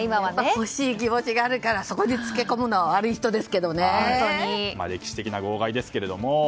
欲しい気持ちがあるからそこにつけ込むのは歴史的な号外ですけどね。